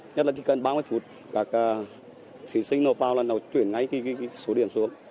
nhất là chỉ cần ba mươi phút các thí sinh nộp vào là nó chuyển ngay từ số điểm xuống